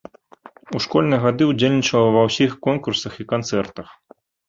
У школьныя гады ўдзельнічала ва ўсіх конкурсах і канцэртах.